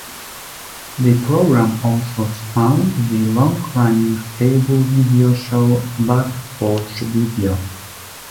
The program also spawned the long-running cable video show Back Porch Video.